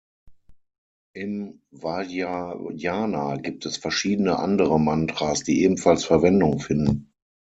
Im Vajrayana gibt es verschiedene andere Mantras, die ebenfalls Verwendung finden.